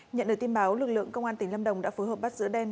nhận được tin báo lực lượng công an tỉnh lâm đồng đã phối hợp bắt giữ đen